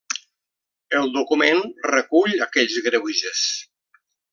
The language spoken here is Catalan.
El document recull aquells greuges.